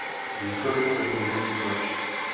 Výsledek tedy mohl být lepší.